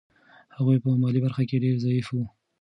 هغوی په مالي برخه کې ډېر ضعیف وو.